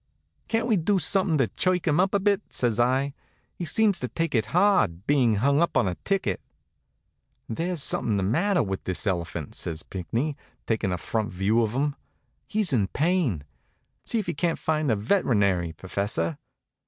"Can't we do something to chirk him up a bit?" says I. "He seems to take it hard, being hung up on a ticket." "There's something the matter with this elephant," says Pinckney, taking a front view of him. "He's in pain. See if you can't find a veterinary, professor."